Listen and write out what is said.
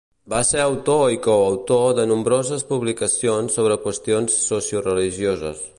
Va ser autor i coautor de nombroses publicacions sobre qüestions socioreligioses.